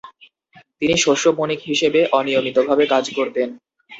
তিনি শস্য বণিক হিসেবে অনিয়মিতভাবে কাজ করতেন।